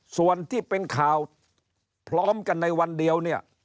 ส่วนที่เป็นข่าวพร้อมกันในวันเดียวเนี่ย